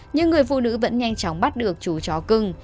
nhưng người phụ nữ vẫn nhanh chóng bắt được chú chó cưng